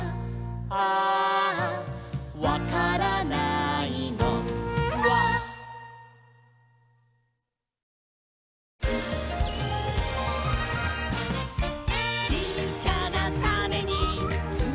「アーアわからないのフワ」「ちっちゃなタネにつまってるんだ」